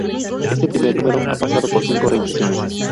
Este primer número ha pasado por cinco reimpresiones.